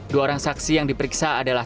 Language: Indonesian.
dua orang saksi yang diperiksa adalah